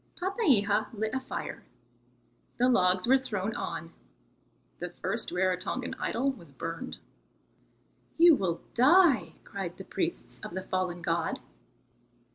Papeiha lit a fire; the logs were thrown on; the first Rarotongan idol was burned. "You will die," cried the priests of the fallen god.